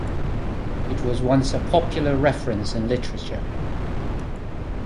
It was once a popular reference in literature.